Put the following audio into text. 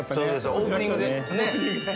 オープニングでねっ。